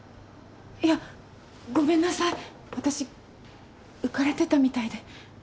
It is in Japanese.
いやごめんなさい私浮かれてたみたいで。